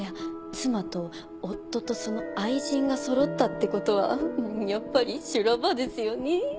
妻と夫とその愛人がそろったって事はやっぱり修羅場ですよねえ。